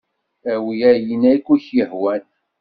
Awi ayen ay ak-yehwan.